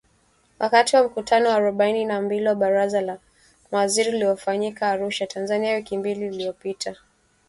Wakati wa mkutano wa arobaini na mbili wa Baraza la Mawaziri uliofanyika Arusha, Tanzania wiki mbili zilizopita